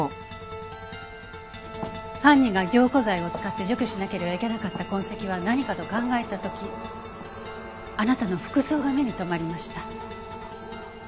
犯人が凝固剤を使って除去しなければいけなかった痕跡は何かと考えた時あなたの服装が目に留まりました。